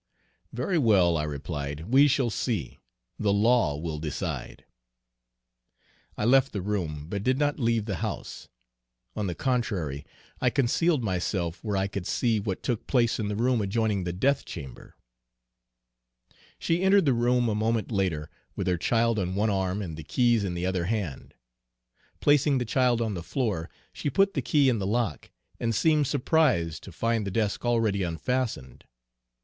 "'Very well,' I replied, 'we shall see. The law will decide.' "I left the room, but did not leave the house. On the contrary, I concealed myself where I could see what took place in the room adjoining the death chamber. "She entered the room a moment later, with her child on one arm and the keys in the other hand. Placing the child on the floor, she put the key in the lock, and seemed surprised to find the desk already unfastened.